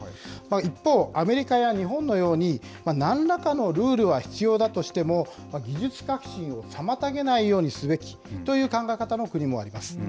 一方、アメリカや日本のようになんらかのルールは必要だとしても、技術革新を妨げないようにすべきという考え方の国もあります。